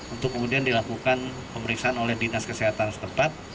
untuk kemudian dilakukan pemeriksaan oleh dinas kesehatan setempat